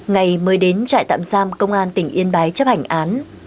ngày mới đến trại tạm giam công an tỉnh yên bái chấp hành án